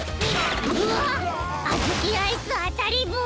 うわっあずきアイスあたりぼう！